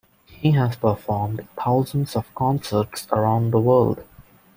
He has performed thousands of concerts around the world.